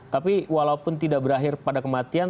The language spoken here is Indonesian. tapi walaupun tidak berakhir pada kematian